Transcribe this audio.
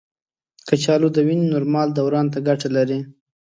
کچالو د وینې نورمال دوران ته ګټه لري.